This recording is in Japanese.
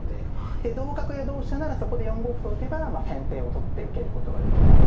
で同角や同飛車ならそこで４五歩と打てば先手を取って受けることができますから。